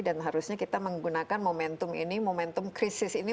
dan harusnya kita menggunakan momentum ini momentum krisis ini